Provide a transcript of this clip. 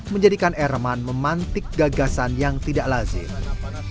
menjadikan erman memantik gagasan yang tidak lazim